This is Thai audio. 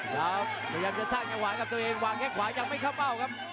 แล้วพยายามจะสร้างจังหวะกับตัวเองวางแค่ขวายังไม่เข้าเป้าครับ